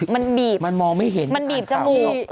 มันบีบมันบีบจมูก